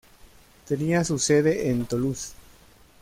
Tenía su sede en Toulouse.